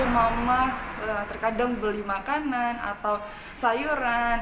mama terkadang beli makanan atau sayuran